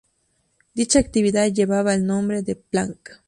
Dicha actividad llevaba el nombre de "Plank".